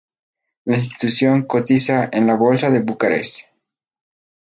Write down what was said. La institución cotiza en la bolsa de Bucarest.